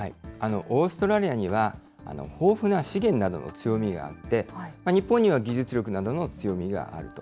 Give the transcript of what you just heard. オーストラリアには、豊富な資源などの強みがあって、日本には技術力などの強みがあると。